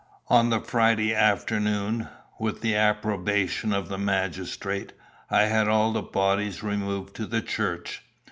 On the Friday afternoon, with the approbation of the magistrate, I had all the bodies removed to the church.